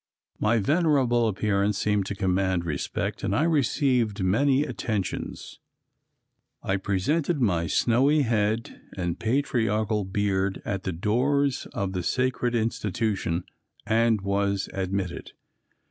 My venerable appearance seemed to command respect and I received many attentions. I presented my snowy head and patriarchal beard at the doors of the sacred institution and was admitted.